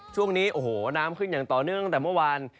ช่วงนี้โอ้โหน้ำขึ้นอย่างต่อเนื่องตั้งแต่เมื่อวาน